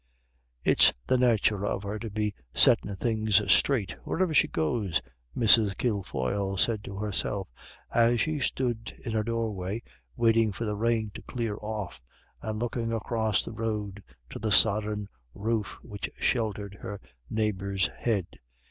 "It's the nathur of her to be settin' things straight wherever she goes," Mrs. Kilfoyle said to herself as she stood in her doorway waiting for the rain to clear off, and looking across the road to the sodden roof which sheltered her neighbor's head.